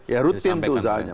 ya rutin tuh usahanya